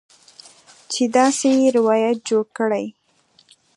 چې داسې روایت جوړ کړي